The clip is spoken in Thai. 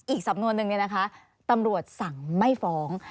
อีกสำนวนหนึ่งเนี่ยนะคะตำรวจสั่งไม่ฟ้อง